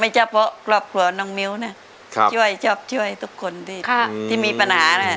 ช่วยชอบช่วยทุกคนที่มีปัญหา